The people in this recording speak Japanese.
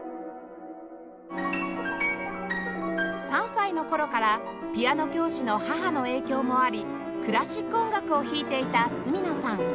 ３歳の頃からピアノ教師の母の影響もありクラシック音楽を弾いていた角野さん